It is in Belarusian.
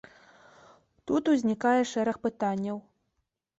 Тут узнікае шэраг пытанняў.